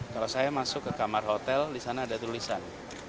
kalau saya masuk ke kamar hotel di sana ada tulisan